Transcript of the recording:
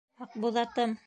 Аҡбуҙатым!